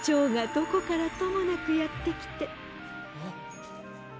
どこからともなくやってきて。